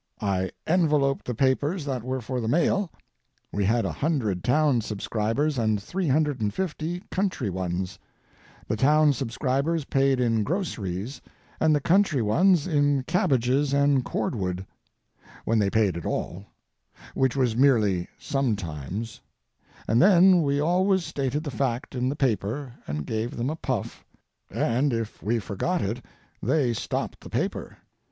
I enveloped the papers that were for the mail—we had a hundred town subscribers and three hundred and fifty country ones; the town subscribers paid in groceries and the country ones in cabbages and cord wood—when they paid at all, which was merely sometimes, and then we always stated the fact in the paper, and gave them a puff; and if we forgot it they stopped the paper.